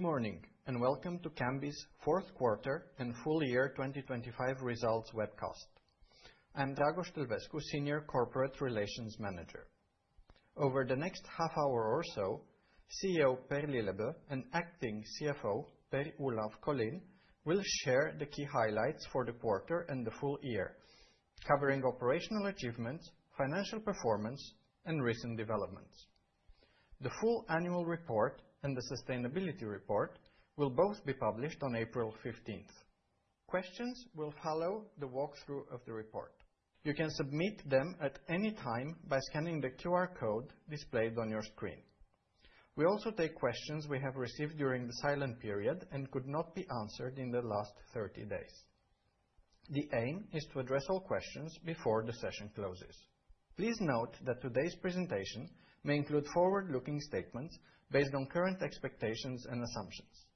Good morning, and welcome to Cambi's 4th Quarter and Full Year 2025 results webcast. I'm Dragoș Talvescu, Senior Corporate Relations Manager. Over the next half hour or so, CEO Per Lillebø, and Acting CFO, Per Olav Collin, will share the key highlights for the quarter and the full year, covering operational achievements, financial performance, and recent developments. The full annual report and the sustainability report will both be published on April 15th. Questions will follow the walkthrough of the report. You can submit them at any time by scanning the QR code displayed on your screen. We also take questions we have received during the silent period and could not be answered in the last 30 days. The aim is to address all questions before the session closes. Please note that today's presentation may include forward-looking statements based on current expectations and assumptions.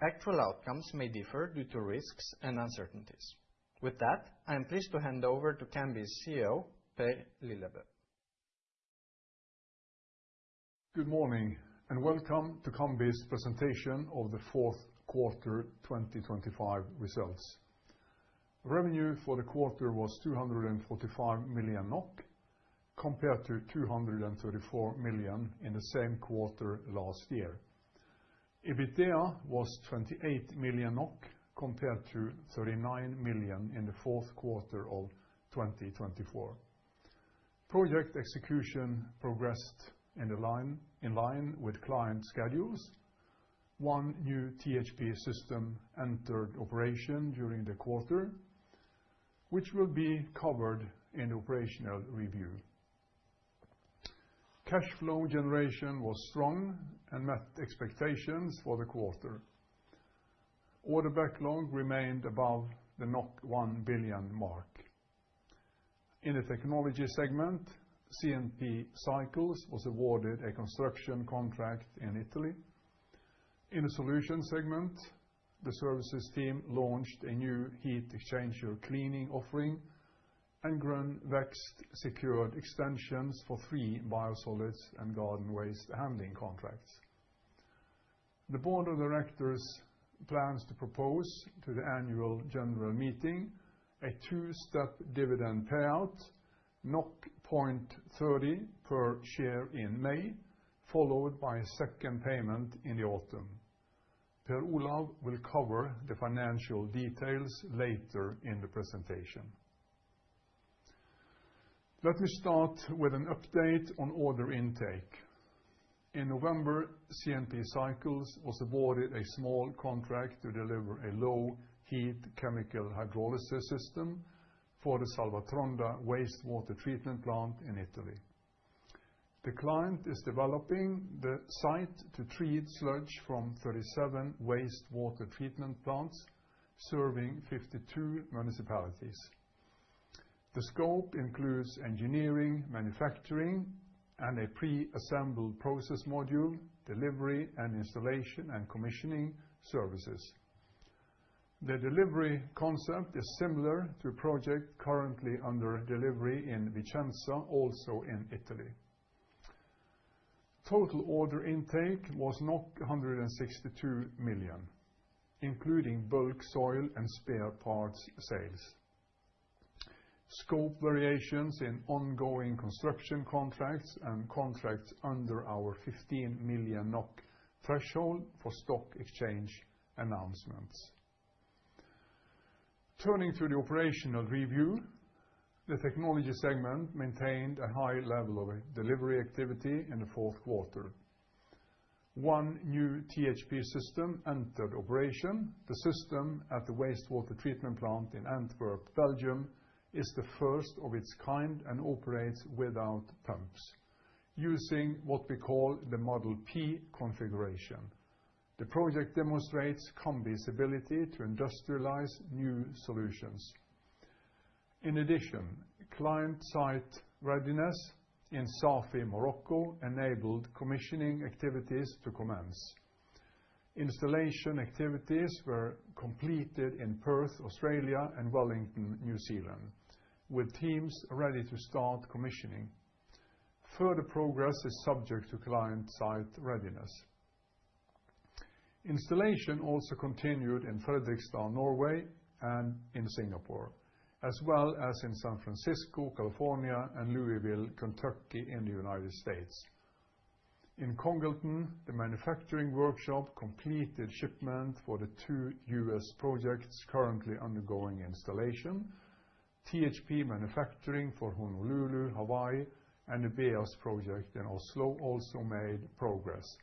Actual outcomes may differ due to risks and uncertainties. With that, I am pleased to hand over to Cambi's CEO, Per Lillebø. Good morning, and welcome to Cambi's Presentation of the Fourth Quarter 2025 Results. Revenue for the quarter was 245 million NOK, compared to 234 million in the same quarter last year. EBITDA was 28 million NOK, compared to 39 million in the fourth quarter of 2024. Project execution progressed in line with client schedules. One new THP system entered operation during the quarter, which will be covered in operational review. Cash flow generation was strong and met expectations for the quarter. Order backlog remained above the 1 billion mark. In the technology segment, CNP Cycles was awarded a construction contract in Italy. In the solutions segment, the services team launched a new heat exchange or cleaning offering, and Grønn Vekst secured extensions for three biosolids and garden waste handling contracts. The board of directors plans to propose to the annual general meeting a two-step dividend payout, 0.30 per share in May, followed by a second payment in the autumn. Per Olav will cover the financial details later in the presentation. Let me start with an update on order intake. In November, CNP CYCLES was awarded a small contract to deliver a low heat chemical hydrolysis system for the Salvatronda wastewater treatment plant in Italy. The client is developing the site to treat sludge from 37 wastewater treatment plants, serving 52 municipalities. The scope includes engineering, manufacturing, and a pre-assembled process module, delivery and installation, and commissioning services. The delivery concept is similar to a project currently under delivery in Vicenza, also in Italy. Total order intake was 162 million, including bulk soil and spare parts sales. Scope variations in ongoing construction contracts and contracts under our 15 million NOK threshold for stock exchange announcements. Turning to the operational review, the technology segment maintained a high level of delivery activity in the fourth quarter. One new THP system entered operation. The system at the wastewater treatment plant in Antwerp, Belgium, is the first of its kind and operates without pumps, using what we call the Model P configuration. The project demonstrates Cambi's ability to industrialize new solutions. In addition, client site readiness in Safi, Morocco, enabled commissioning activities to commence. Installation activities were completed in Perth, Australia and Wellington, New Zealand, with teams ready to start commissioning. Further progress is subject to client site readiness. Installation also continued in Fredrikstad, Norway, and in Singapore, as well as in San Francisco, California, and Louisville, Kentucky, in the United States. In Congleton, the manufacturing workshop completed shipment for the two U.S. projects currently undergoing installation. THP manufacturing for Honolulu, Hawaii, and the VEAS project in Oslo also made progress.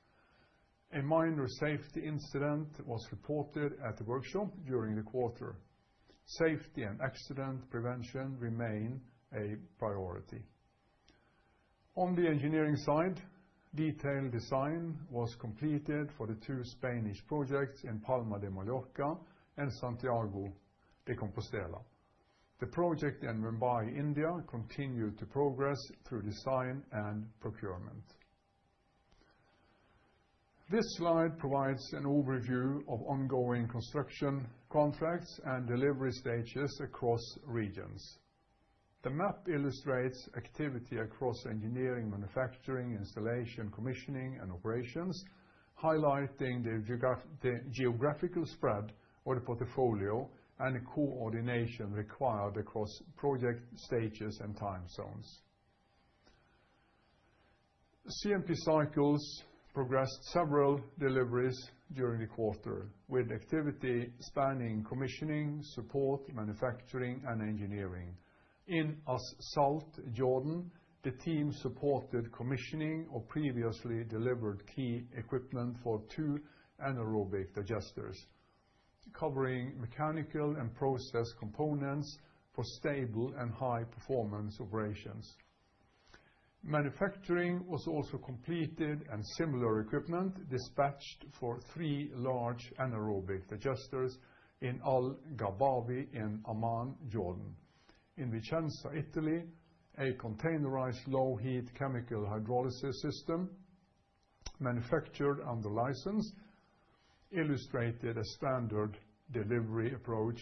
A minor safety incident was reported at the workshop during the quarter. Safety and accident prevention remain a priority. On the engineering side, detailed design was completed for the two Spanish projects in Palma de Mallorca and Santiago de Compostela. The project in Mumbai, India, continued to progress through design and procurement. This slide provides an overview of ongoing construction contracts and delivery stages across regions. The map illustrates activity across engineering, manufacturing, installation, commissioning, and operations, highlighting the geographical spread of the portfolio and the coordination required across project stages and time zones. CNP CYCLES progressed several deliveries during the quarter, with activity spanning commissioning, support, manufacturing, and engineering. In As-Salt, Jordan, the team supported commissioning of previously delivered key equipment for two anaerobic digesters, covering mechanical and process components for stable and high-performance operations. Manufacturing was also completed and similar equipment dispatched for three large anaerobic digesters in Al Ghabawi in Amman, Jordan. In Vicenza, Italy, a containerized low-heat chemical hydrolysis system manufactured under license illustrated a standard delivery approach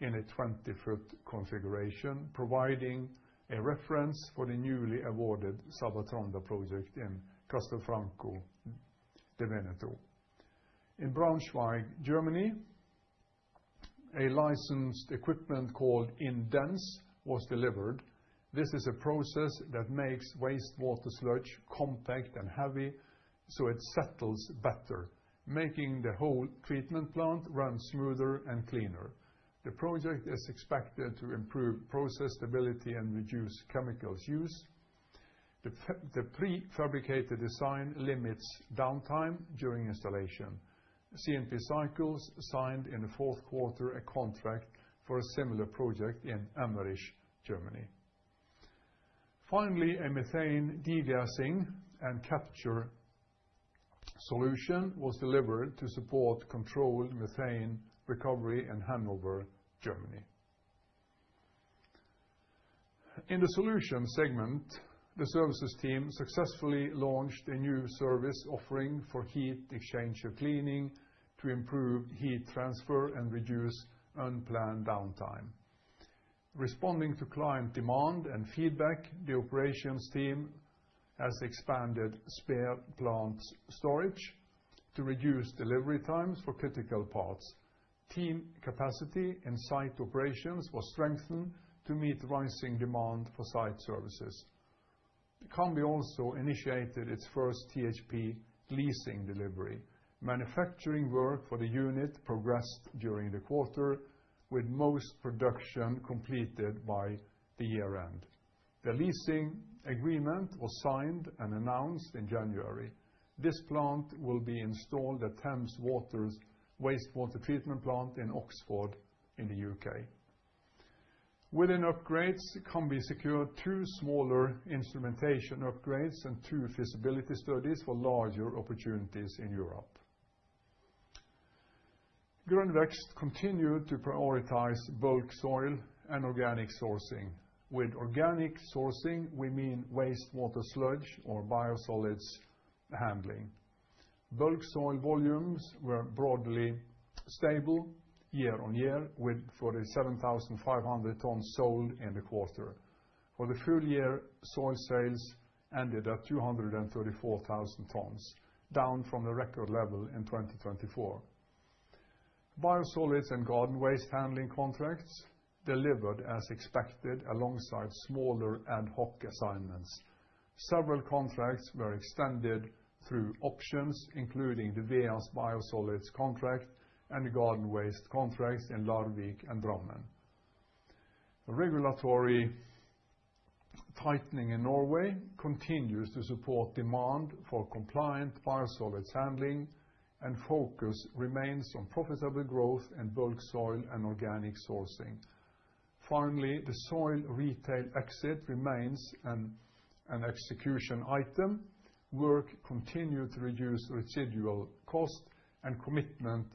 in a 20-foot configuration, providing a reference for the newly awarded Salvatronda project in Castelfranco Veneto. In Braunschweig, Germany, a licensed equipment called inDENSE was delivered. This is a process that makes wastewater sludge compact and heavy, so it settles better, making the whole treatment plant run smoother and cleaner. The project is expected to improve process stability and reduce chemicals use. The prefabricated design limits downtime during installation. CNP CYCLES signed in the fourth quarter a contract for a similar project in Emscher, Germany. Finally, a methane degassing and capture solution was delivered to support controlled methane recovery in Hanover, Germany. In the solutions segment, the services team successfully launched a new service offering for heat exchanger cleaning to improve heat transfer and reduce unplanned downtime. Responding to client demand and feedback, the operations team has expanded spare plant storage to reduce delivery times for critical parts. Team capacity and site operations was strengthened to meet rising demand for site services. Cambi also initiated its first THP leasing delivery. Manufacturing work for the unit progressed during the quarter, with most production completed by the year-end. The leasing agreement was signed and announced in January. This plant will be installed at Thames Water's wastewater treatment plant in Oxford, in the U.K. Within upgrades, Cambi secured two smaller instrumentation upgrades and two feasibility studies for larger opportunities in Europe. Grønn Vekst continued to prioritize bulk soil and organic sourcing. With organic sourcing, we mean wastewater sludge or biosolids handling. Bulk soil volumes were broadly stable year-over-year, with 47,500 tons sold in the quarter. For the full year, soil sales ended at 234,000 tons, down from the record level in 2024. Biosolids and garden waste handling contracts delivered as expected, alongside smaller ad hoc assignments. Several contracts were extended through options, including the Veas biosolids contract and garden waste contracts in Larvik and Drammen. Regulatory tightening in Norway continues to support demand for compliant biosolids handling, and focus remains on profitable growth in bulk soil and organic sourcing. Finally, the soil retail exit remains an execution item. Work continued to reduce residual cost and commitment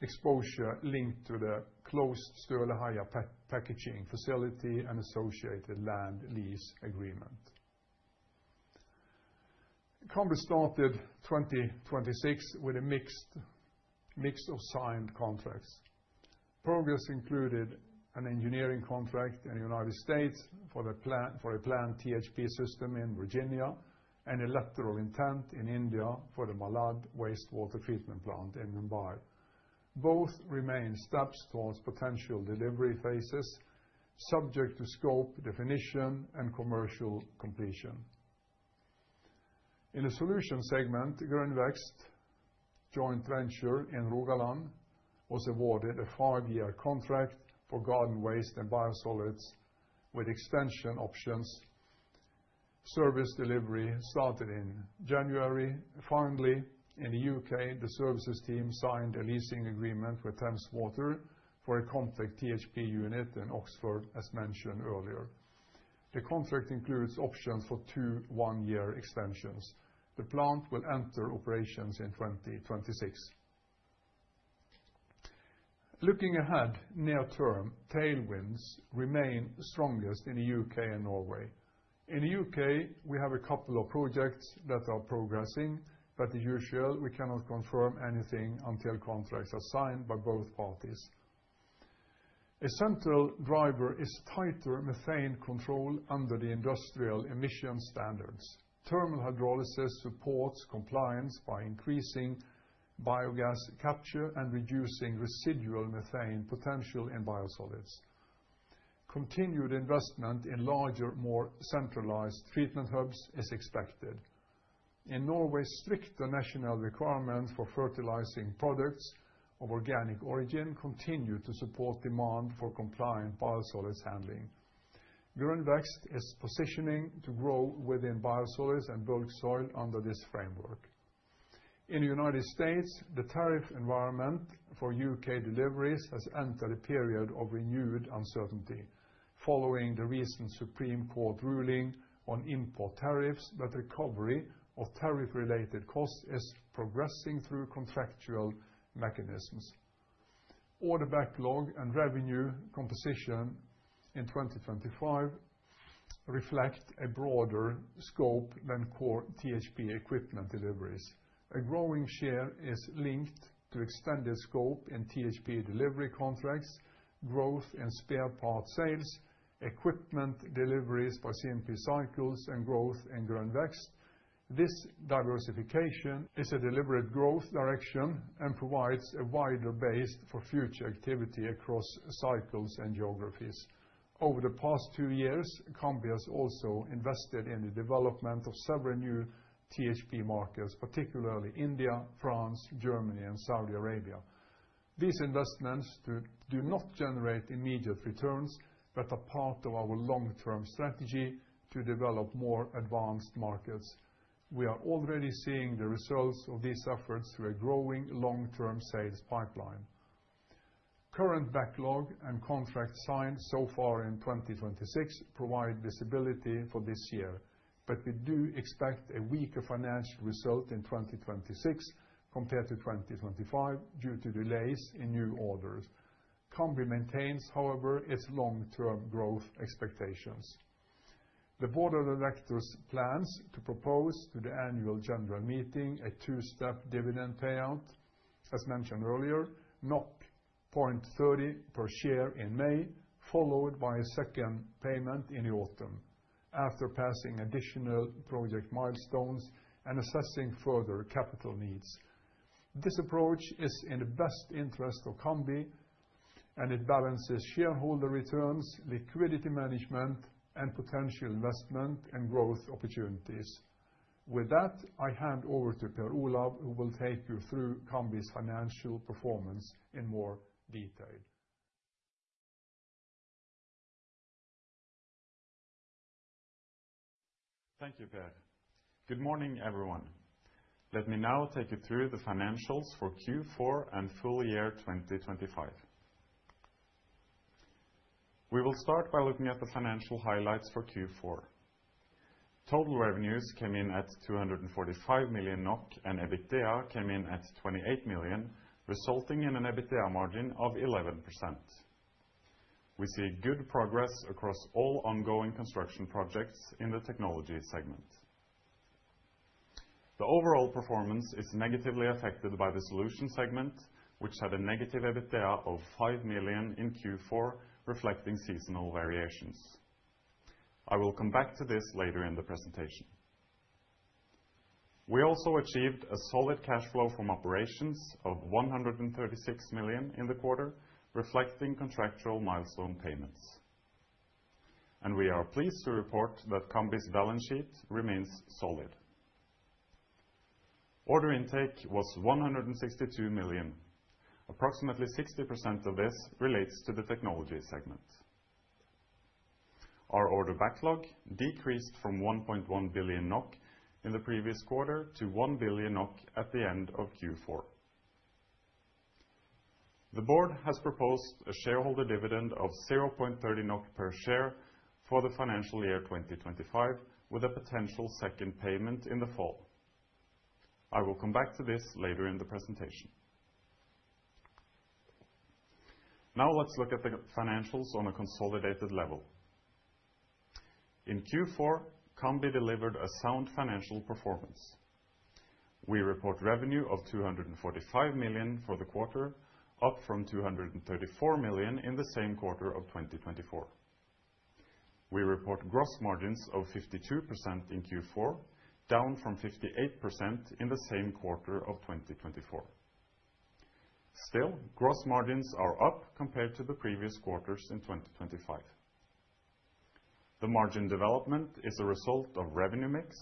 exposure linked to the closed Sørlihaugen packaging facility and associated land lease agreement. Cambi started 2026 with a mix of signed contracts. Progress included an engineering contract in the United States for a planned THP system in Virginia, and a letter of intent in India for the Malad wastewater treatment plant in Mumbai. Both remain steps towards potential delivery phases, subject to scope, definition, and commercial completion. In the solutions segment, Grønn Vekst joint venture in Rogaland was awarded a five-year contract for garden waste and biosolids, with extension options. Service delivery started in January. Finally, in the U.K., the services team signed a leasing agreement with Thames Water for a compact THP unit in Oxford, as mentioned earlier. The contract includes options for two one-year extensions. The plant will enter operations in 2026. Looking ahead, near-term tailwinds remain strongest in the U.K. and Norway. In the U.K., we have a couple of projects that are progressing, but the usual, we cannot confirm anything until contracts are signed by both parties. A central driver is tighter methane control under the industrial emission standards. thermal hydrolysis supports compliance by increasing biogas capture and reducing residual methane potential in biosolids. Continued investment in larger, more centralized treatment hubs is expected. In Norway, stricter national requirements for fertilizing products of organic origin continue to support demand for compliant biosolids handling. Grønn Vekst is positioning to grow within biosolids and bulk soil under this framework. In the United States, the tariff environment for U.K. deliveries has entered a period of renewed uncertainty following the recent Supreme Court ruling on import tariffs, but recovery of tariff-related costs is progressing through contractual mechanisms. Order backlog and revenue composition in 2025 reflect a broader scope than core THP equipment deliveries. A growing share is linked to extended scope in THP delivery contracts, growth in spare parts sales, equipment deliveries for CNP CYCLES, and growth in Grønn Vekst. This diversification is a deliberate growth direction and provides a wider base for future activity across cycles and geographies. Over the past two years, Cambi has also invested in the development of several new THP markets, particularly India, France, Germany, and Saudi Arabia. These investments do not generate immediate returns, but are part of our long-term strategy to develop more advanced markets. We are already seeing the results of these efforts through a growing long-term sales pipeline. Current backlog and contracts signed so far in 2026 provide visibility for this year. We do expect a weaker financial result in 2026 compared to 2025, due to delays in new orders. Cambi maintains, however, its long-term growth expectations. The board of directors plans to propose to the annual general meeting a two-step dividend payout. As mentioned earlier, 0.30 per share in May, followed by a second payment in the autumn, after passing additional project milestones and assessing further capital needs. This approach is in the best interest of Cambi. It balances shareholder returns, liquidity management, and potential investment and growth opportunities. With that, I hand over to Per Olav Collin, who will take you through Cambi's financial performance in more detail. Thank you, Per. Good morning, everyone. Let me now take you through the financials for Q4 and full year 2025. We will start by looking at the financial highlights for Q4. Total revenues came in at 245 million NOK, and EBITDA came in at 28 million, resulting in an EBITDA margin of 11%. We see good progress across all ongoing construction projects in the technology segment. The overall performance is negatively affected by the solution segment, which had a negative EBITDA of 5 million in Q4, reflecting seasonal variations. I will come back to this later in the presentation. We also achieved a solid cash flow from operations of 136 million in the quarter, reflecting contractual milestone payments. We are pleased to report that Cambi's balance sheet remains solid. Order intake was 162 million. Approximately 60% of this relates to the technology segment. Our order backlog decreased from 1.1 billion NOK in the previous quarter to 1 billion NOK at the end of Q4. The board has proposed a shareholder dividend of 0.30 NOK per share for the financial year 2025, with a potential second payment in the fall. I will come back to this later in the presentation. Now, let's look at the financials on a consolidated level. In Q4, Cambi delivered a sound financial performance. We report revenue of 245 million for the quarter, up from 234 million in the same quarter of 2024. We report gross margins of 52% in Q4, down from 58% in the same quarter of 2024. Still, gross margins are up compared to the previous quarters in 2025. The margin development is a result of revenue mix,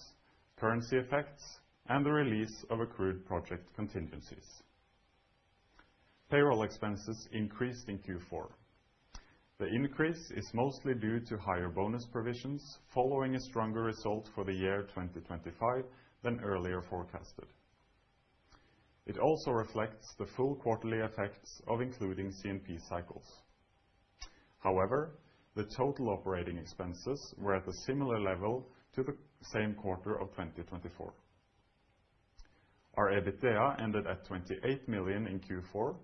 currency effects, and the release of accrued project contingencies. Payroll expenses increased in Q4. The increase is mostly due to higher bonus provisions, following a stronger result for the year 2025 than earlier forecasted. It also reflects the full quarterly effects of including CNP CYCLES. The total operating expenses were at a similar level to the same quarter of 2024. Our EBITDA ended at 28 million in Q4,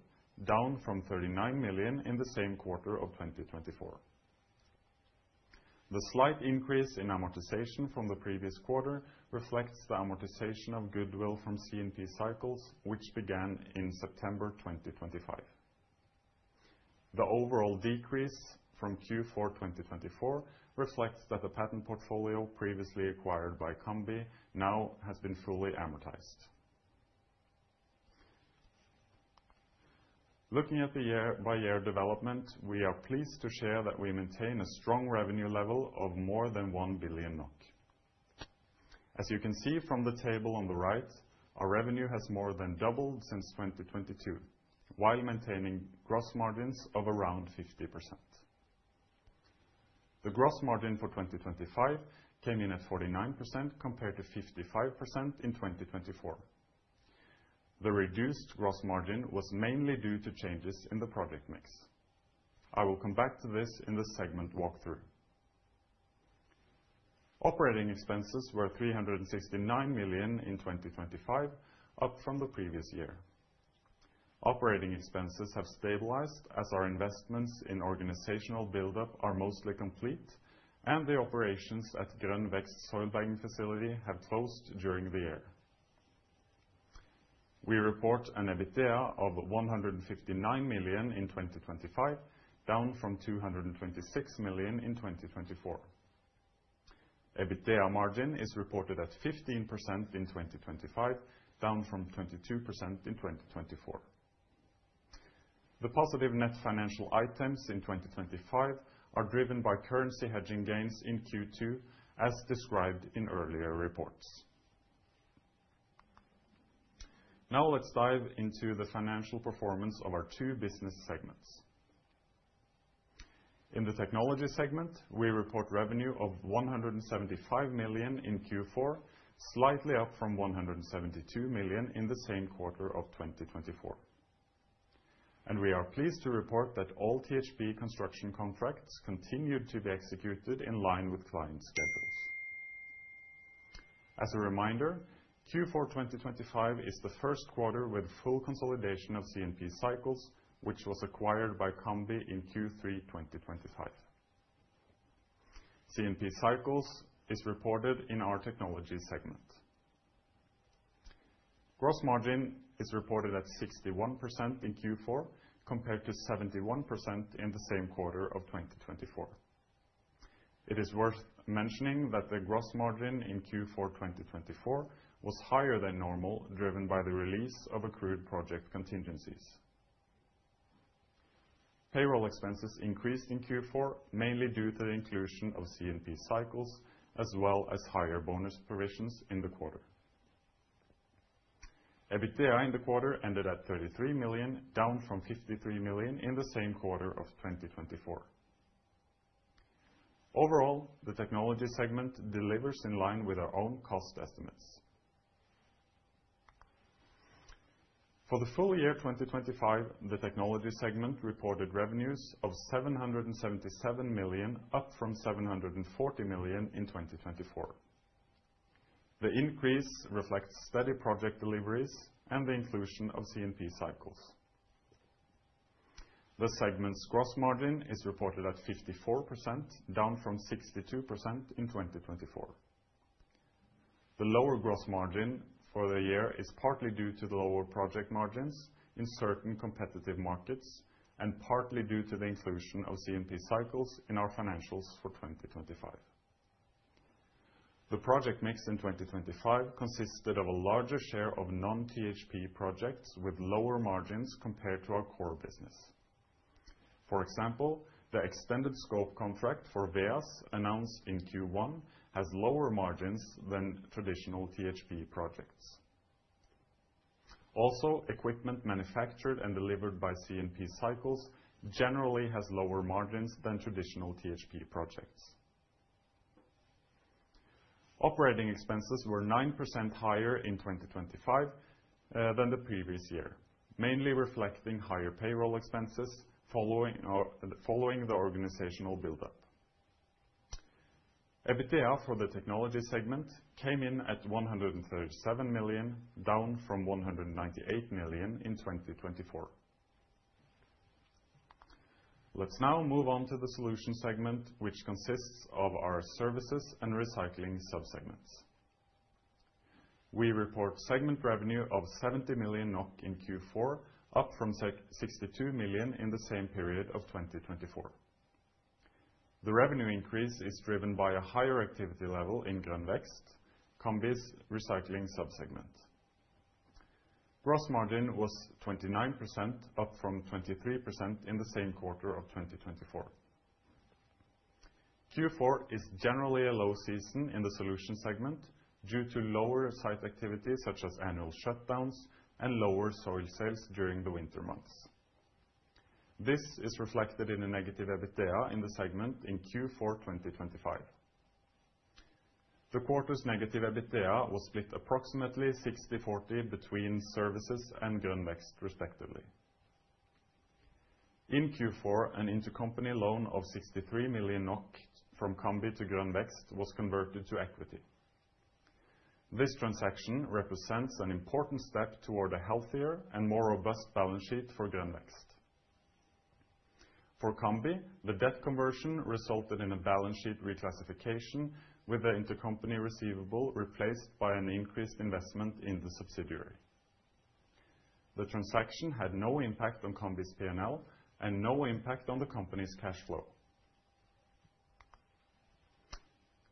down from 39 million in the same quarter of 2024. The slight increase in amortization from the previous quarter reflects the amortization of goodwill from CNP CYCLES, which began in September 2025. The overall decrease from Q4 2024 reflects that the patent portfolio previously acquired by Cambi now has been fully amortized. Looking at the year-by-year development, we are pleased to share that we maintain a strong revenue level of more than 1 billion NOK. As you can see from the table on the right, our revenue has more than doubled since 2022, while maintaining gross margins of around 50%. The gross margin for 2025 came in at 49%, compared to 55% in 2024. The reduced gross margin was mainly due to changes in the project mix. I will come back to this in the segment walkthrough. Operating expenses were 369 million in 2025, up from the previous year. Operating expenses have stabilized as our investments in organizational buildup are mostly complete, and the operations at Grønn Vekst soil facility have closed during the year. We report an EBITDA of 159 million in 2025, down from 226 million in 2024. EBITDA margin is reported at 15% in 2025, down from 22% in 2024. The positive net financial items in 2025 are driven by currency hedging gains in Q2, as described in earlier reports. Let's dive into the financial performance of our two business segments. In the technology segment, we report revenue of 175 million in Q4, slightly up from 172 million in the same quarter of 2024. We are pleased to report that all THP construction contracts continued to be executed in line with client schedules. As a reminder, Q4 2025 is the first quarter with full consolidation of CNP Cycles, which was acquired by Cambi in Q3 2025. CNP CYCLES is reported in our technology segment. Gross margin is reported at 61% in Q4, compared to 71% in the same quarter of 2024. It is worth mentioning that the gross margin in Q4 2024 was higher than normal, driven by the release of accrued project contingencies. Payroll expenses increased in Q4, mainly due to the inclusion of CNP CYCLES, as well as higher bonus provisions in the quarter. EBITDA in the quarter ended at 33 million, down from 53 million in the same quarter of 2024. Overall, the technology segment delivers in line with our own cost estimates. For the full year 2025, the technology segment reported revenues of 777 million, up from 740 million in 2024. The increase reflects steady project deliveries and the inclusion of CNP CYCLES. The segment's gross margin is reported at 54%, down from 62% in 2024. The lower gross margin for the year is partly due to the lower project margins in certain competitive markets, and partly due to the inclusion of CNP CYCLES in our financials for 2025. The project mix in 2025 consisted of a larger share of non-THP projects with lower margins compared to our core business. For example, the extended scope contract for Veas, announced in Q1, has lower margins than traditional THP projects. Also, equipment manufactured and delivered by CNP CYCLES generally has lower margins than traditional THP projects. Operating expenses were 9% higher in 2025 than the previous year, mainly reflecting higher payroll expenses following the organizational buildup. EBITDA for the technology segment came in at 137 million NOK, down from 198 million NOK in 2024. Let's now move on to the solution segment, which consists of our services and recycling sub-segments. We report segment revenue of 70 million NOK in Q4, up from 62 million NOK in the same period of 2024. The revenue increase is driven by a higher activity level in Grønn Vekst, Cambi's recycling sub-segment. Gross margin was 29%, up from 23% in the same quarter of 2024. Q4 is generally a low season in the solution segment due to lower site activity, such as annual shutdowns and lower soil sales during the winter months. This is reflected in a negative EBITDA in the segment in Q4 2025. The quarter's negative EBITDA was split approximately 60/40 between services and Grønn Vekst respectively. In Q4, an intercompany loan of 63 million NOK from Cambi to Grønn Vekst was converted to equity. This transaction represents an important step toward a healthier and more robust balance sheet for Grønn Vekst. For Cambi, the debt conversion resulted in a balance sheet reclassification, with the intercompany receivable replaced by an increased investment in the subsidiary. The transaction had no impact on Cambi's P&L and no impact on the company's cash flow.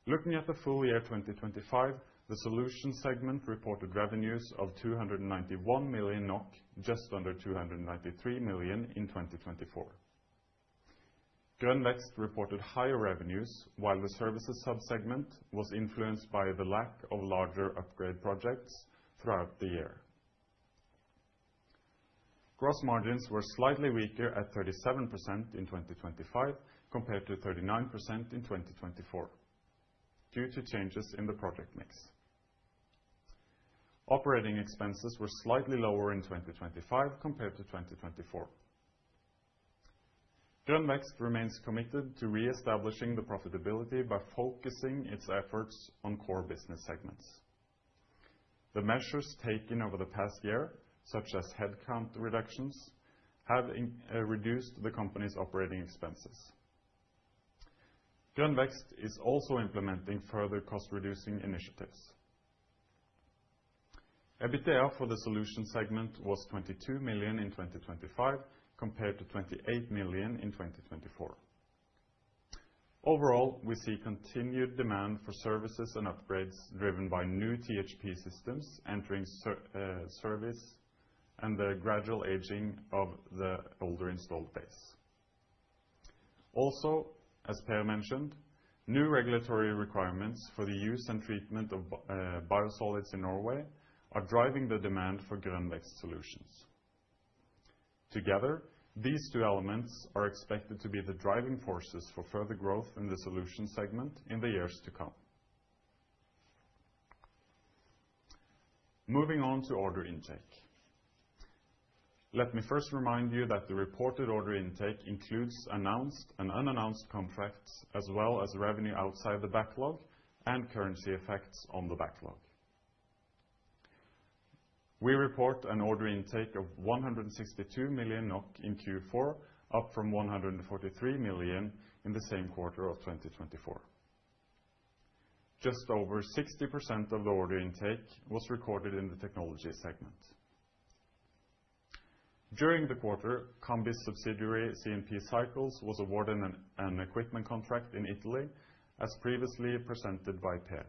Looking at the full year 2025, the solutions segment reported revenues of 291 million NOK, just under 293 million in 2024. Grønn Vekst reported higher revenues, while the services sub-segment was influenced by the lack of larger upgrade projects throughout the year. Gross margins were slightly weaker at 37% in 2025, compared to 39% in 2024, due to changes in the project mix. Operating expenses were slightly lower in 2025 compared to 2024. Grønn Vekst remains committed to reestablishing the profitability by focusing its efforts on core business segments. The measures taken over the past year, such as headcount reductions, have reduced the company's operating expenses. Grønn Vekst is also implementing further cost-reducing initiatives. EBITDA for the solutions segment was 22 million in 2025, compared to 28 million in 2024. Overall, we see continued demand for services and upgrades, driven by new THP systems entering service and the gradual aging of the older installed base. Also, as Per mentioned, new regulatory requirements for the use and treatment of biosolids in Norway are driving the demand for Grønn Vekst solutions. Together, these two elements are expected to be the driving forces for further growth in the solutions segment in the years to come. Moving on to order intake. Let me first remind you that the reported order intake includes announced and unannounced contracts, as well as revenue outside the backlog and currency effects on the backlog. We report an order intake of 162 million NOK in Q4, up from 143 million in the same quarter of 2024. Just over 60% of the order intake was recorded in the technology segment. During the quarter, Cambi's subsidiary, CNP Cycles, was awarded an equipment contract in Italy, as previously presented by Per.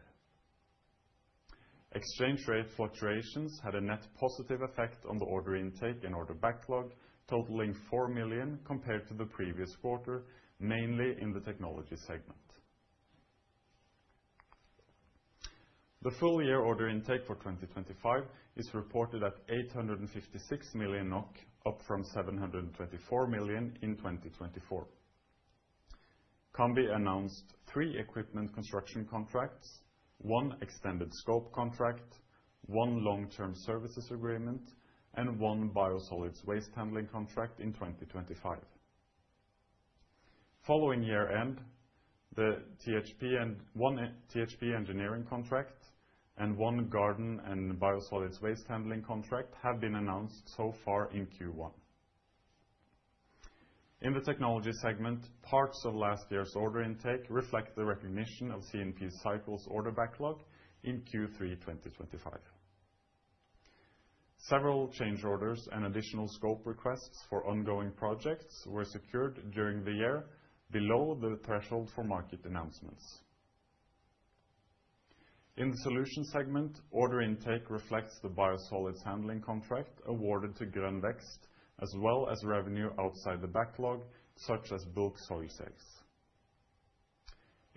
Exchange rate fluctuations had a net positive effect on the order intake and order backlog, totaling 4 million compared to the previous quarter, mainly in the technology segment. The full year order intake for 2025 is reported at 856 million NOK, up from 724 million in 2024. Cambi announced three equipment construction contracts, one extended scope contract, one long-term services agreement, and one biosolids waste handling contract in 2025. Following year-end, one THP engineering contract and one garden and biosolids waste handling contract have been announced so far in Q1. In the technology segment, parts of last year's order intake reflect the recognition of CNP Cycles' order backlog in Q3 2025. Several change orders and additional scope requests for ongoing projects were secured during the year below the threshold for market announcements. In the solutions segment, order intake reflects the biosolids handling contract awarded to Grønn Vekst, as well as revenue outside the backlog, such as bulk soil sales.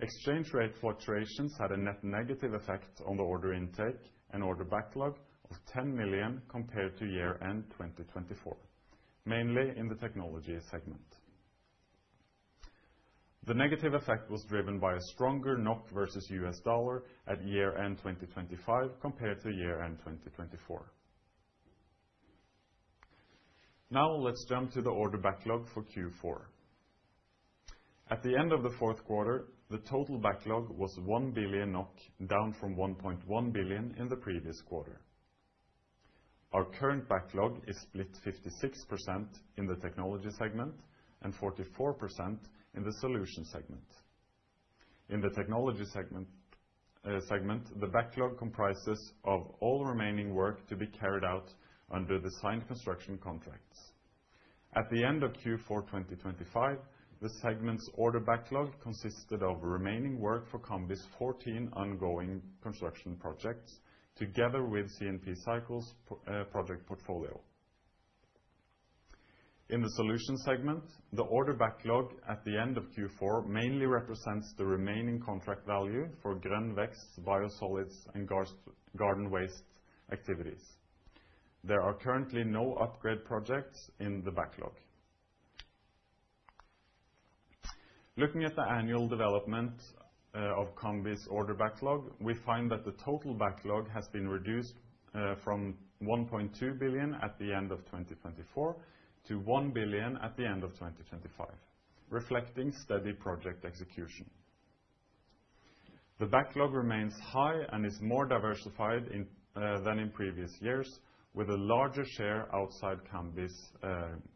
Exchange rate fluctuations had a net negative effect on the order intake and order backlog of 10 million compared to year-end 2024, mainly in the technology segment. The negative effect was driven by a stronger NOK versus US dollar at year-end 2025 compared to year-end 2024. Now, let's jump to the order backlog for Q4. At the end of the fourth quarter, the total backlog was 1 billion NOK, down from 1.1 billion in the previous quarter. Our current backlog is split 56% in the technology segment and 44% in the solutions segment. In the technology segment, the backlog comprises of all remaining work to be carried out under the signed construction contracts. At the end of Q4 2025, the segment's order backlog consisted of remaining work for Cambi's 14 ongoing construction projects, together with CNP CYCLES' project portfolio. In the solutions segment, the order backlog at the end of Q4 mainly represents the remaining contract value for Grønn Vekst's biosolids and garden waste activities. There are currently no upgrade projects in the backlog. Looking at the annual development of Cambi's order backlog, we find that the total backlog has been reduced from 1.2 billion at the end of 2024, to 1 billion at the end of 2025, reflecting steady project execution. The backlog remains high and is more diversified than in previous years, with a larger share outside Cambi's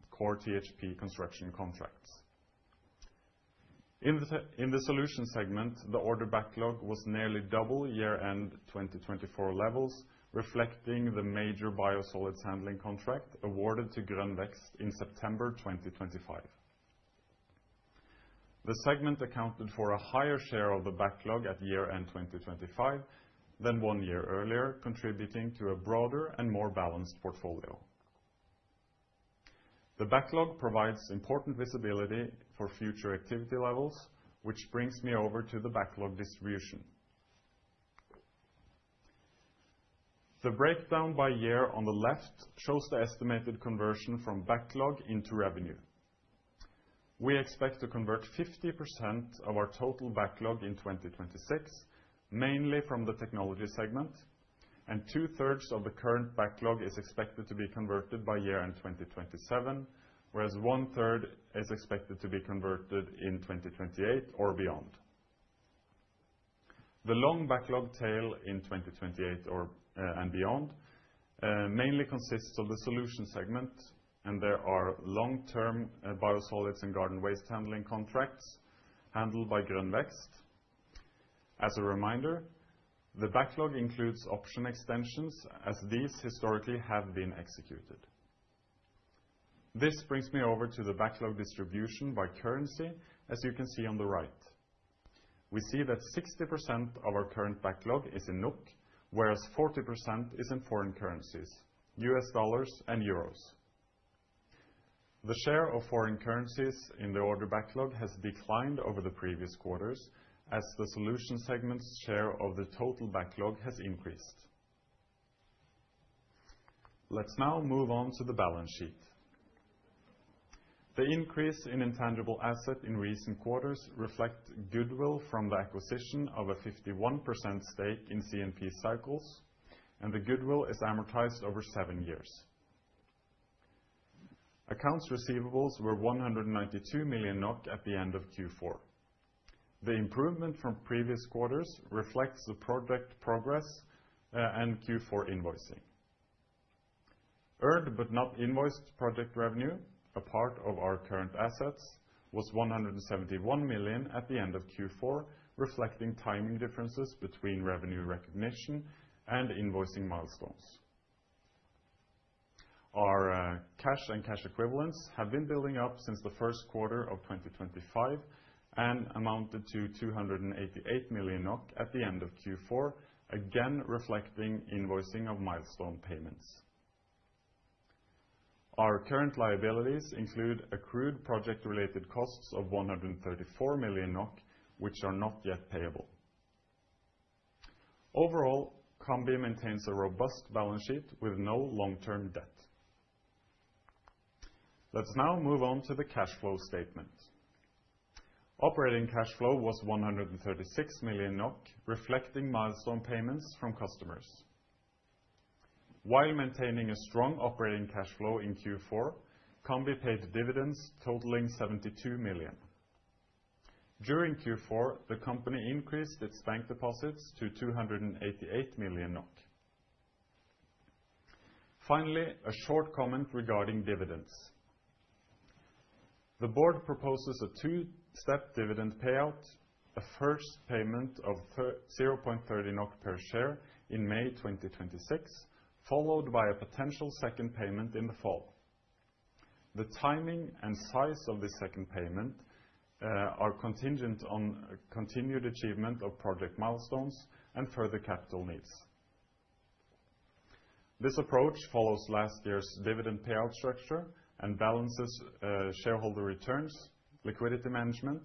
core THP construction contracts. In the solution segment, the order backlog was nearly double year-end 2024 levels, reflecting the major biosolids handling contract awarded to Grønn Vekst in September 2025. The segment accounted for a higher share of the backlog at year-end 2025 than one year earlier, contributing to a broader and more balanced portfolio. The backlog provides important visibility for future activity levels, which brings me over to the backlog distribution. The breakdown by year on the left shows the estimated conversion from backlog into revenue. We expect to convert 50% of our total backlog in 2026, mainly from the technology segment, and two-thirds of the current backlog is expected to be converted by year-end 2027, whereas one-third is expected to be converted in 2028 or beyond. The long backlog tail in 2028 or beyond, mainly consists of the solution segment. There are long-term biosolids and garden waste handling contracts handled by Grønn Vekst. As a reminder, the backlog includes option extensions, as these historically have been executed. This brings me over to the backlog distribution by currency, as you can see on the right. We see that 60% of our current backlog is in NOK, whereas 40% is in foreign currencies, US dollars and euros. The share of foreign currencies in the order backlog has declined over the previous quarters, as the solution segment's share of the total backlog has increased. Let's now move on to the balance sheet. The increase in intangible asset in recent quarters reflect goodwill from the acquisition of a 51% stake in CNP CYCLES. The goodwill is amortized over seven years. Accounts receivables were 192 million NOK at the end of Q4. The improvement from previous quarters reflects the project progress and Q4 invoicing. Earned but not invoiced project revenue, a part of our current assets, was 171 million at the end of Q4, reflecting timing differences between revenue recognition and invoicing milestones. Our cash and cash equivalents have been building up since the first quarter of 2025 and amounted to 288 million NOK at the end of Q4, again, reflecting invoicing of milestone payments. Our current liabilities include accrued project-related costs of 134 million NOK, which are not yet payable. Overall, Cambi maintains a robust balance sheet with no long-term debt. Let's now move on to the cash flow statement. Operating cash flow was 136 million NOK, reflecting milestone payments from customers. While maintaining a strong operating cash flow in Q4, Cambi paid dividends totaling 72 million. During Q4, the company increased its bank deposits to 288 million NOK. Finally, a short comment regarding dividends. The board proposes a two-step dividend payout, a first payment of 0.30 NOK per share in May 2026, followed by a potential second payment in the fall. The timing and size of the second payment are contingent on continued achievement of project milestones and further capital needs. This approach follows last year's dividend payout structure and balances shareholder returns, liquidity management,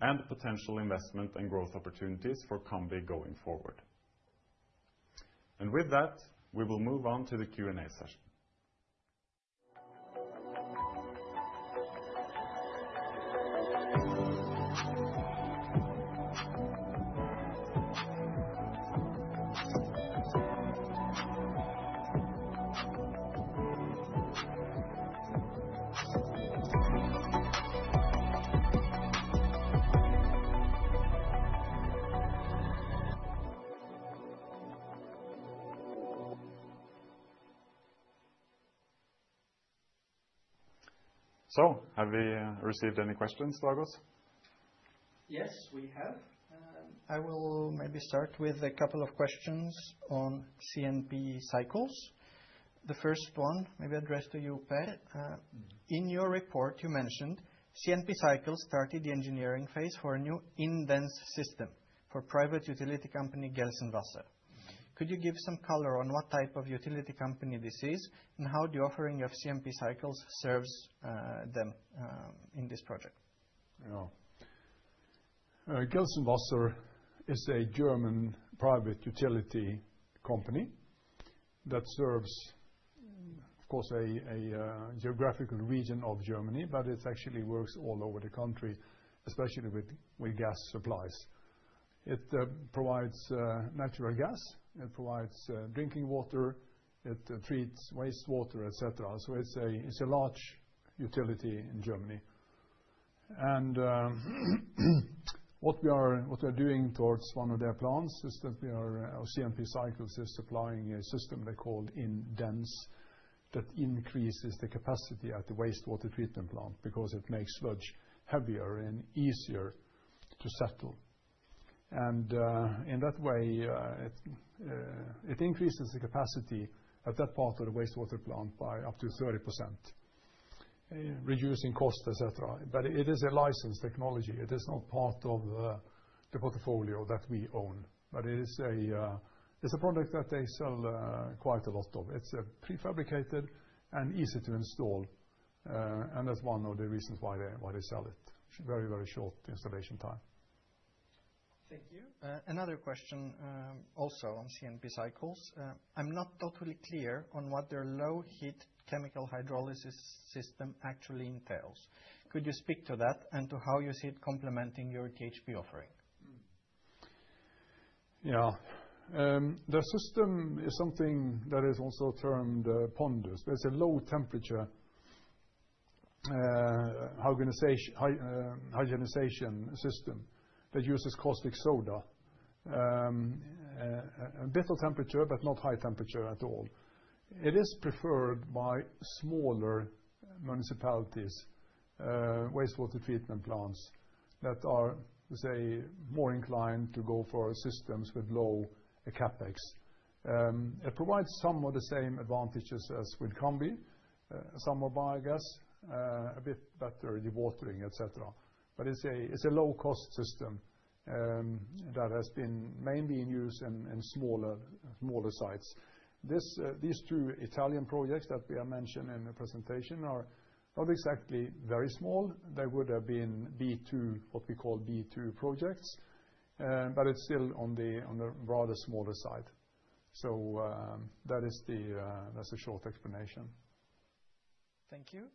and potential investment and growth opportunities for Cambi going forward. With that, we will move on to the Q&A session. Have we received any questions, Dragoș? We have. I will maybe start with a couple of questions on CNP CYCLES. The first one, maybe addressed to you, Per. In your report, you mentioned CNP CYCLES started the engineering phase for a new inDENSE system for private utility company Gelsenwasser. Could you give some color on what type of utility company this is, and how the offering of CNP CYCLES serves them in this project? Yeah. Gelsenwasser is a German private utility company that serves-... of course, a geographical region of Germany, but it's actually works all over the country, especially with gas supplies. It provides natural gas, it provides drinking water, it treats wastewater, et cetera. It's a large utility in Germany. What we're doing towards one of their plants is that our CNP CYCLES is supplying a system they called inDENSE, that increases the capacity at the wastewater treatment plant, because it makes sludge heavier and easier to settle. In that way, it increases the capacity at that part of the wastewater plant by up to 30%, reducing cost, et cetera. It is a licensed technology. It is not part of the portfolio that we own, but it is a, it's a product that they sell quite a lot of. It's prefabricated and easy to install, and that's one of the reasons why they sell it. Very, very short installation time. Thank you. Another question, also on CNP CYCLES. I'm not totally clear on what their low heat chemical hydrolysis system actually entails. Could you speak to that and to how you see it complementing your THP offering? Yeah. The system is something that is also termed PONDUS. It's a low temperature hygienization system that uses caustic soda. A bit of temperature, but not high temperature at all. It is preferred by smaller municipalities, wastewater treatment plants that are, say, more inclined to go for systems with low CapEx. It provides some of the same advantages as with Cambi, some of biogas, a bit better dewatering, et cetera. It's a low-cost system that has been mainly in use in smaller sites. These two Italian projects that we are mentioning in the presentation are not exactly very small. They would have been B2, what we call B2 projects, but it's still on the rather smaller side. That is the, that's a short explanation. Thank you.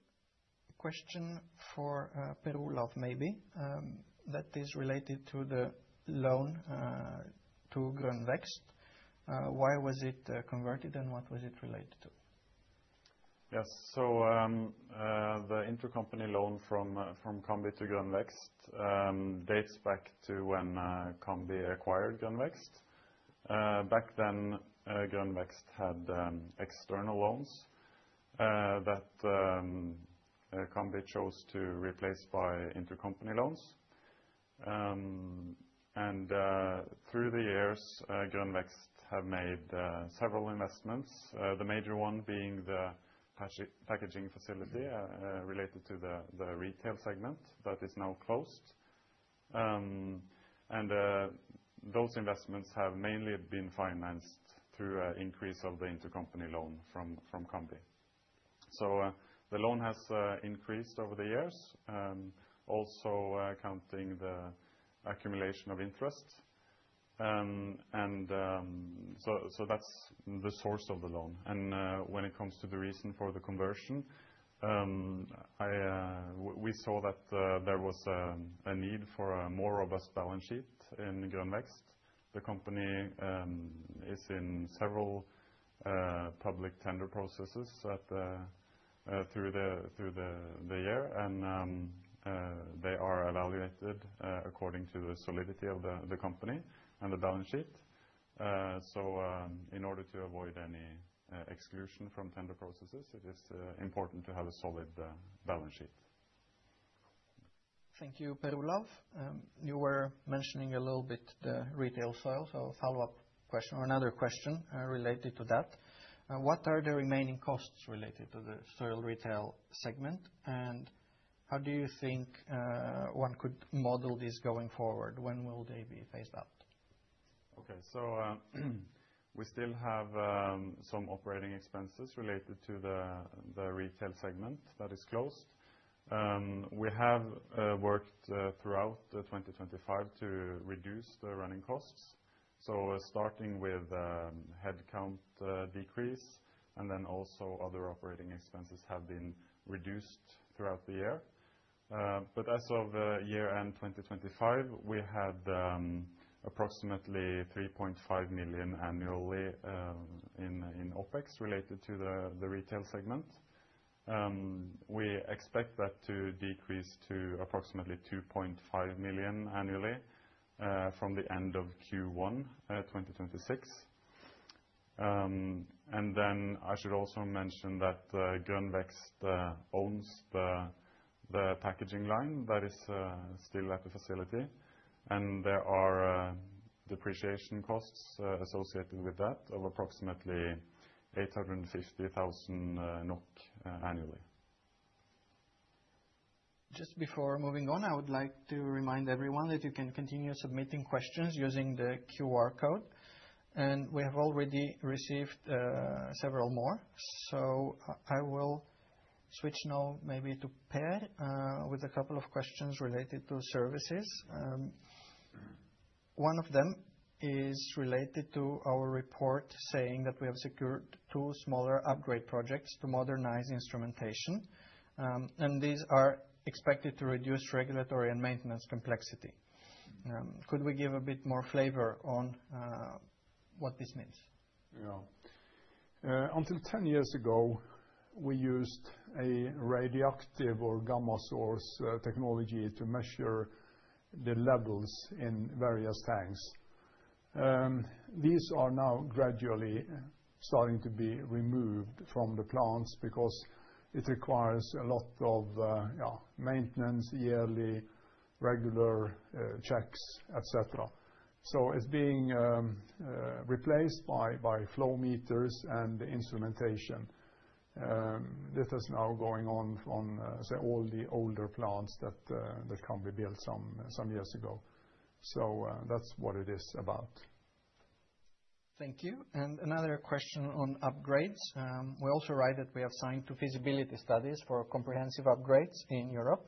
Question for Per Olav, maybe, that is related to the loan to Grønn Vekst. Why was it converted, and what was it related to? Yes. The intercompany loan from Cambi to Grønn Vekst dates back to when Cambi acquired Grønn Vekst. Back then, Grønn Vekst had external loans that Cambi chose to replace by intercompany loans. Through the years, Grønn Vekst have made several investments, the major one being the packaging facility related to the retail segment that is now closed. Those investments have mainly been financed through increase of the intercompany loan from Cambi. The loan has increased over the years, also counting the accumulation of interest. That's the source of the loan. When it comes to the reason for the conversion, I... We saw that there was a need for a more robust balance sheet in Grønn Vekst. The company is in several public tender processes at the through the year, and they are evaluated according to the solidity of the company and the balance sheet. In order to avoid any exclusion from tender processes, it is important to have a solid balance sheet. Thank you, Per Olav. You were mentioning a little bit the retail sale, so a follow-up question or another question, related to that: What are the remaining costs related to the sale retail segment, and how do you think one could model this going forward? When will they be phased out? Okay. We still have some operating expenses related to the retail segment that is closed. We have worked throughout 2025 to reduce the running costs. Starting with headcount decrease, also other operating expenses have been reduced throughout the year. As of year end 2025, we had approximately 3.5 million annually in OpEx related to the retail segment. We expect that to decrease to approximately 2.5 million annually from the end of Q1 2026. I should also mention that Grønn Vekst owns the packaging line that is still at the facility, and there are depreciation costs associated with that of approximately 850,000 NOK annually. Just before moving on, I would like to remind everyone that you can continue submitting questions using the QR code, we have already received several more. I will switch now maybe to Per, with a couple of questions related to services. One of them is related to our report saying that we have secured two smaller upgrade projects to modernize instrumentation. These are expected to reduce regulatory and maintenance complexity. Could we give a bit more flavor on what this means? Yeah. Until 10 years ago, we used a radioactive or gamma source, technology to measure the levels in various tanks. These are now gradually starting to be removed from the plants, because it requires a lot of, yeah, maintenance, yearly, regular, checks, et cetera. It's being replaced by flow meters and instrumentation. This is now going on, say, all the older plants that can be built some years ago. That's what it is about. Thank you. Another question on upgrades. We also write that we have signed two feasibility studies for comprehensive upgrades in Europe.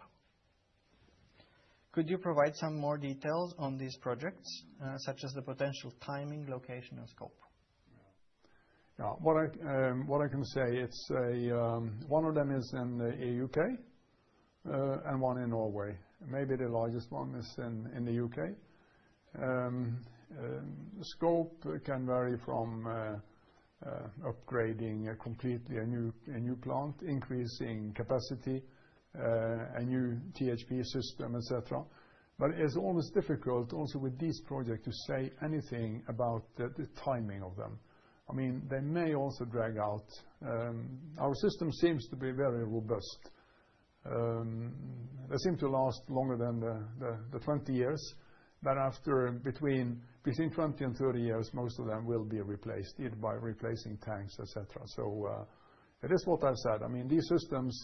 Could you provide some more details on these projects, such as the potential timing, location, and scope? Yeah. What I can say, it's one of them is in the U.K. and one in Norway. Maybe the largest one is in the U.K. Scope can vary from upgrading a completely new plant, increasing capacity, a new THP system, et cetera. It's almost difficult also with this project to say anything about the timing of them. I mean, they may also drag out. Our system seems to be very robust. They seem to last longer than the 20 years. After between 20 and 30 years, most of them will be replaced, either by replacing tanks, et cetera. It is what I've said. I mean, these systems,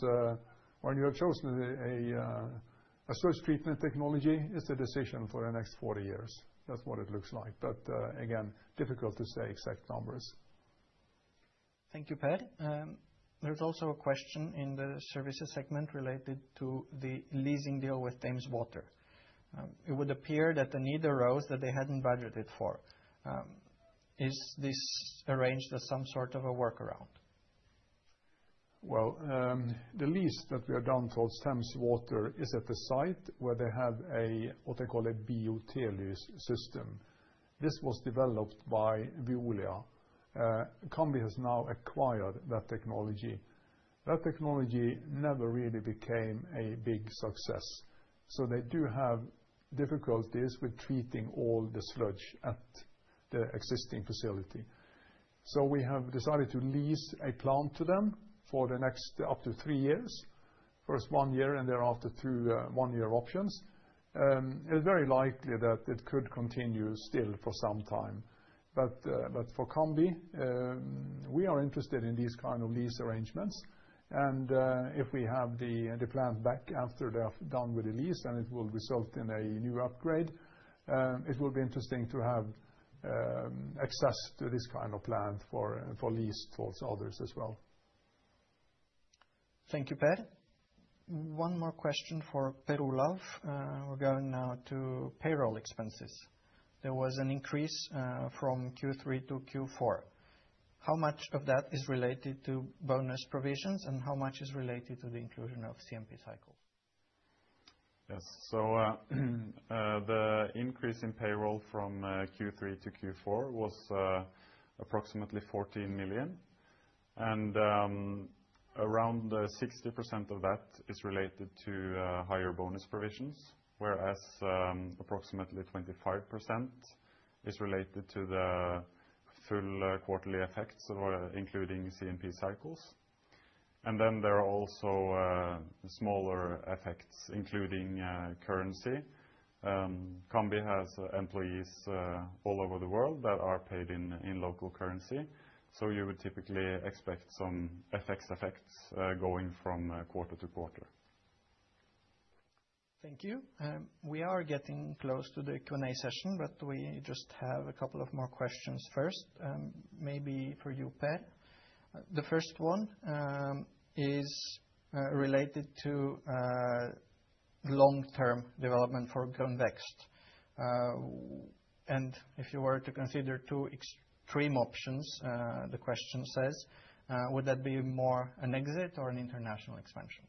when you have chosen a sludge treatment technology, it's a decision for the next 40 years. That's what it looks like. Again, difficult to say exact numbers. Thank you, Per. There's also a question in the services segment related to the leasing deal with Thames Water. It would appear that the need arose that they hadn't budgeted for. Is this arranged as some sort of a workaround? Well, the lease that we have done for Thames Water is at the site where they have a, what they call a BOTlus system. This was developed by Veolia. Cambi has now acquired that technology. That technology never really became a big success, so they do have difficulties with treating all the sludge at the existing facility. We have decided to lease a plant to them for the next up to three years. First one year, and thereafter, two one-year options. It's very likely that it could continue still for some time. But for Cambi, we are interested in these kind of lease arrangements, and if we have the plant back after they are done with the lease, then it will result in a new upgrade. It will be interesting to have access to this kind of plant for lease towards others as well. Thank you, Per. One more question for Per Olav. We're going now to payroll expenses. There was an increase from Q3 to Q4. How much of that is related to bonus provisions, and how much is related to the inclusion of CNP CYCLES? The increase in payroll from Q3 to Q4 was approximately 14 million, and around 60% of that is related to higher bonus provisions. Approximately 25% is related to the full quarterly effects of including CNP CYCLES. There are also smaller effects, including currency. Cambi has employees all over the world that are paid in local currency, you would typically expect some effects going from quarter to quarter. Thank you. We are getting close to the Q&A session, we just have a couple of more questions first. Maybe for you, Per. The first one is related to long-term development for Grønn Vekst. If you were to consider two extreme options, the question says: Would that be more an exit or an international expansion?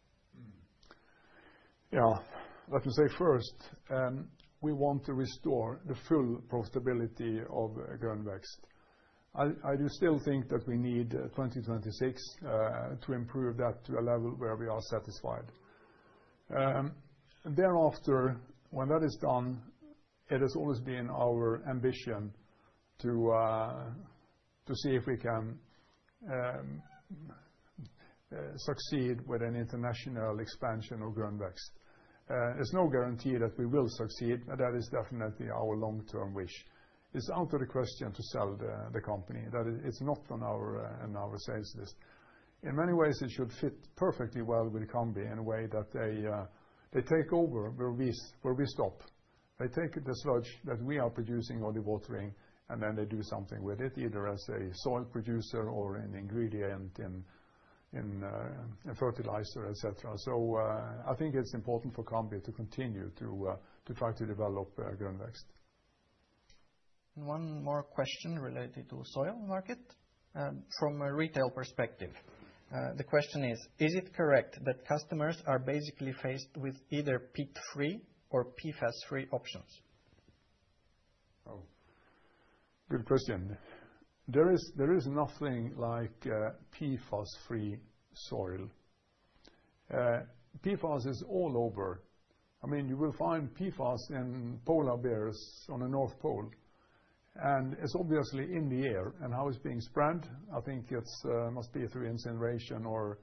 Yeah. Let me say first, we want to restore the full profitability of Grønn Vekst. I do still think that we need 2026 to improve that to a level where we are satisfied. Thereafter, when that is done, it has always been our ambition to see if we can succeed with an international expansion of Grønn Vekst. There's no guarantee that we will succeed, but that is definitely our long-term wish. It's out of the question to sell the company, that is, it's not on our sales list. In many ways, it should fit perfectly well with Cambi in a way that they take over where we stop. They take the sludge that we are producing or dewatering, and then they do something with it, either as a soil producer or an ingredient in, a fertilizer, et cetera. I think it's important for Cambi to continue to try to develop Grønn Vekst. One more question related to soil market, from a retail perspective. The question is: Is it correct that customers are basically faced with either peat-free or PFAS-free options? Oh, good question. There is nothing like a PFAS-free soil. PFAS is all over. I mean, you will find PFAS in polar bears on the North Pole, and it's obviously in the air. How it's being spread, I think it's must be through incineration or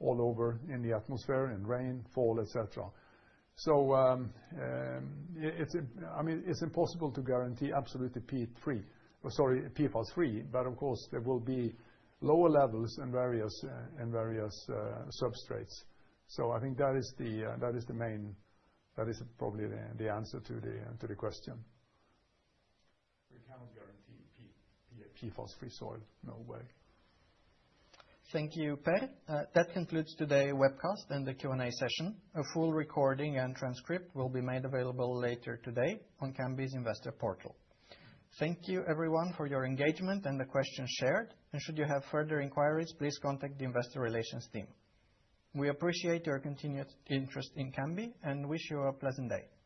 all over in the atmosphere, in rainfall, et cetera. I mean, it's impossible to guarantee absolutely PFAS-free, but of course, there will be lower levels in various substrates. I think that is the that is probably the answer to the question. We cannot guarantee PFAS-free soil, no way. Thank you, Per. That concludes today's webcast and the Q&A session. A full recording and transcript will be made available later today on Cambi's investor portal. Thank you everyone for your engagement and the questions shared. Should you have further inquiries, please contact the investor relations team. We appreciate your continued interest in Cambi and wish you a pleasant day. Goodbye.